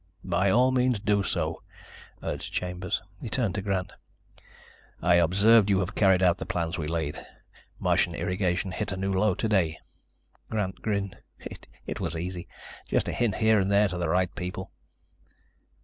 "By all means do so," urged Chambers. He turned to Grant. "I observed you have carried out the plans we laid. Martian Irrigation hit a new low today." Grant grinned. "It was easy. Just a hint here and there to the right people."